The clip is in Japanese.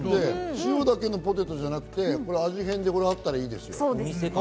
塩だけのポテトじゃなくて、味変でこれがあったらいいですね。